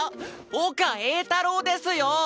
岡栄太郎ですよ！